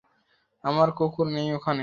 আমাদের কুকুর নেই ওখানে।